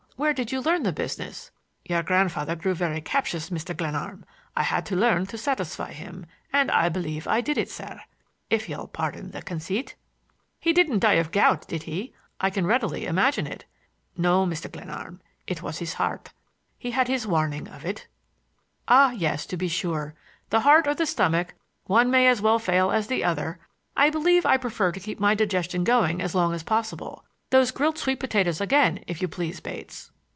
Where did you learn the business?" "Your grandfather grew very captious, Mr. Glenarm. I had to learn to satisfy him, and I believe I did it, sir, if you'll pardon the conceit." "He didn't die of gout, did he? I can readily imagine it." "No, Mr. Glenarm. It was his heart. He had his warning of it." "Ah, yes; to be sure. The heart or the stomach,—one may as well fail as the other. I believe I prefer to keep my digestion going as long as possible. Those grilled sweet potatoes again, if you please, Bates."